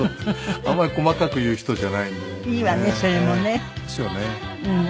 あんまり細かく言う人じゃない。